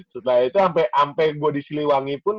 setelah itu sampai gue di siliwangi pun